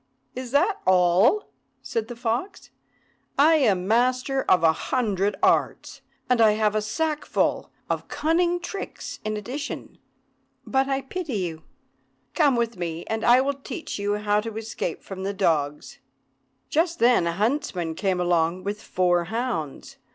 "Is that all?" said the fox. "I am master of a hundred arts, and I have a sackful of cunning tricks in addition. But I pity you. Come with me, and I will teach you how to escape from the dogs." Just then a huntsman came along with four hounds.